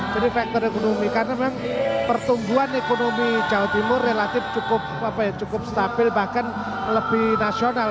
jadi faktor ekonomi karena memang pertumbuhan ekonomi jawa timur relatif cukup apa ya cukup stabil bahkan lebih nasional